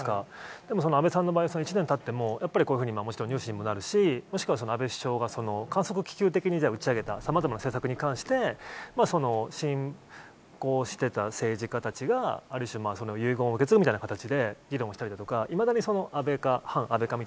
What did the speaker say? でも安倍さんの場合は１年たっても、やっぱりこういうふうにもちろんニュースにもなるし、もしくは安倍首相が観測気球的に打ち上げたさまざまな政策に関して、信仰してた政治家たちが、ある種、脂肪対策続かないそんなあなた。